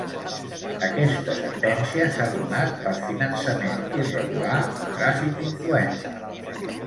Aquesta sentència s'ha donat per finançament irregular i tràfic d'influències.